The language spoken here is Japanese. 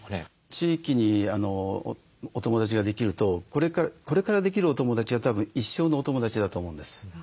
地域にお友だちができるとこれからできるお友だちはたぶん一生のお友だちだと思うんです。